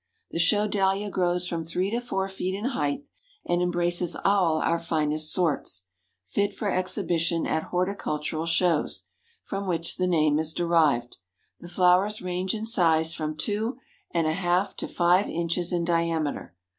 The Show Dahlia grows from three to four feet in height, and embraces all our finest sorts, fit for exhibition at horticultural shows, from which the name is derived; the flowers range in size from two and a half to five inches in diameter.